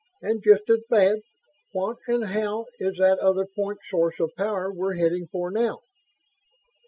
And just as bad, what and how is that other point source of power we're heading for now?"